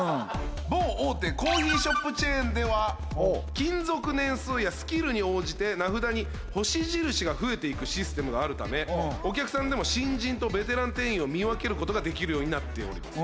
某大手コーヒーショップチェーンでは勤続年数やスキルに応じて名札に星印が増えていくシステムがあるためお客さんでも新人とベテラン店員を見分けることができるようになっております